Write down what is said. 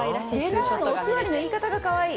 おすわりの言い方がかわいい！